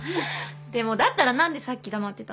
でもだったら何でさっき黙ってたの？